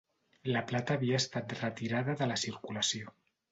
La plata havia estat retirada de la circulació